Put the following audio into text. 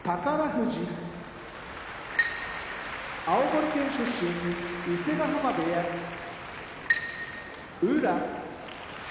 富士青森県出身伊勢ヶ濱部屋宇良